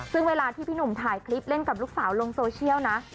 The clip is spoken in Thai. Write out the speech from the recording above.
ซึ่งเวลาที่พี่หนุ่มถ่ายคลิปเล่นกับลูกสาวลงโซเชียลนะ